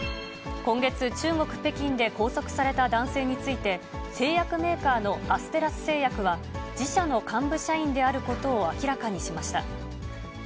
今月、中国・北京で拘束された男性について、製薬メーカーのアステラス製薬は、自社の幹部社員であることを明らかにしました。